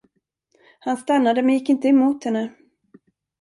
Han stannade men gick inte emot henne.